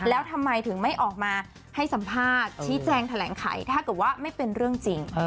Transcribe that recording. แล้วทำไมถึงไม่ออกมาให้สัมภาษณ์ชี้แจงแถลงไขถ้าเกิดว่าไม่เป็นเรื่องจริง